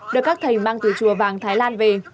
đưa các thầy mang từ chùa vàng thái lan về